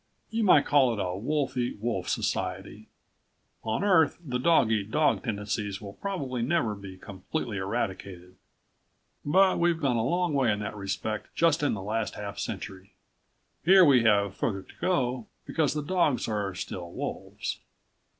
You might call it a wolf eat wolf society. On Earth the dog eat dog tendencies will probably never be completely eradicated but we've gone a long way in that respect just in the last half century. Here we have further to go, because the dogs are still wolves.